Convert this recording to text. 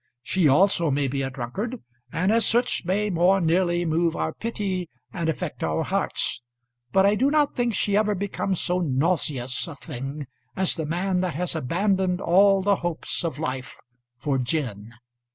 She also may be a drunkard, and as such may more nearly move our pity and affect our hearts, but I do not think she ever becomes so nauseous a thing as the man that has abandoned all the hopes of life for gin.